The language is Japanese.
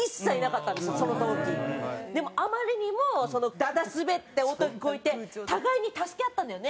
でもあまりにもだだスベって音聞こえて互いに助け合ったんだよね。